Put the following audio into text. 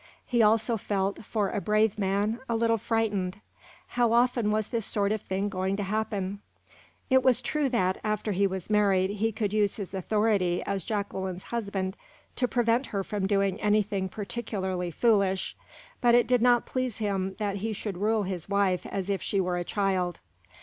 He also felt, for a brave man, a little frightened. How often was this sort of thing going to happen? It was true that, after he was married, he could use his authority as Jacqueline's husband to prevent her from doing anything particularly foolish, but it did not please him that he should rule his wife as if she were a child.